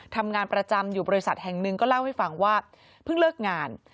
ทำงานประจำอยู่บริษัทแห่งหนึ่งก็เล่าให้ฟังว่าเพิ่งเลิกงาน